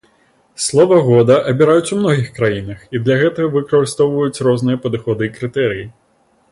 Слова года абіраюць у многіх краінах і для гэтага выкарыстоўваюць розныя падыходы і крытэрыі.